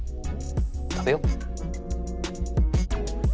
食べよう。